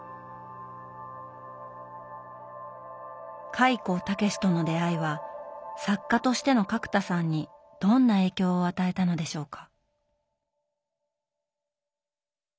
開高健との出会いは作家としての角田さんにどんな影響を与えたのでしょうか？